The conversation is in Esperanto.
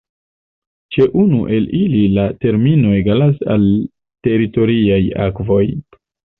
Ĉe unu el ili la termino egalas al teritoriaj akvoj.